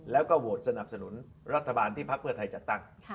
แล้วก็โหวตสนับสนุนรัฐบาลที่พักเพื่อไทยจัดตั้ง